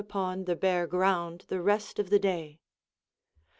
upon the bare ground the rest of the day.